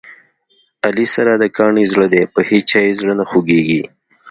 علي سره د کاڼي زړه دی، په هیچا یې زړه نه خوګېږي.